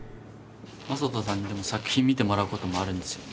まさとさんに作品見てもらうこともあるんですよね？